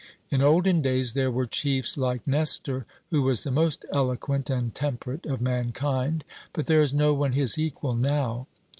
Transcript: In olden days there were chiefs like Nestor, who was the most eloquent and temperate of mankind, but there is no one his equal now.